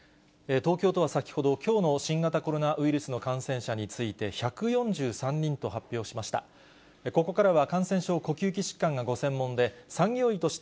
東京都は先ほど、きょうの新型コロナウイルスの感染者について、１４３人と発表しました。